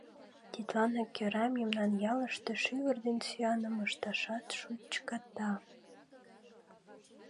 Тидланак кӧра мемнан ялыште шӱвыр ден сӱаным ышташат шучката.